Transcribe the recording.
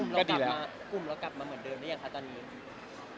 กลุ่มแล้วกลับมาเหมือนเดิมได้ยังคะตอนนี้